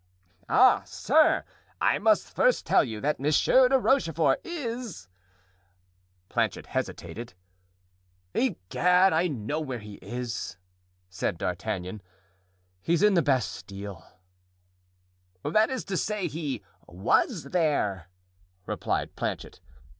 "Ah, sir! I must first tell you that Monsieur de Rochefort is——" Planchet hesitated. "Egad, I know where he is," said D'Artagnan. "He's in the Bastile." "That is to say, he was there," replied Planchet.